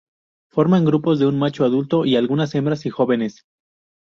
Forman grupos de un macho adulto y algunas hembras y jóvenes.